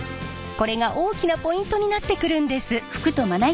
これが大きなポイントになってくるんです。